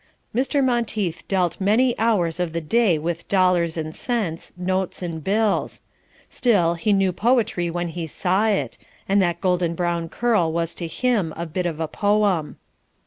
Mr. Monteith dealt many hours of the day with dollars and cents, notes and bills; still, he knew poetry when he saw it, and that golden brown curl was to him a bit of a poem.